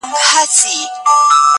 هوسېږو ژوندانه د بل جهان ته؛